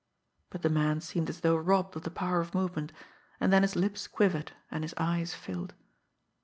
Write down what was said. But the man seemed as though robbed of the power of movement and then his lips quivered, and his eyes filled.